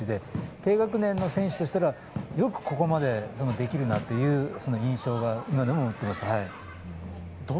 低学年の選手としたら、よくここまでできるなという印象が今でも持ってます。